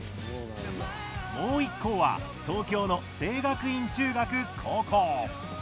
もう１校は東京の聖学院中学・高校。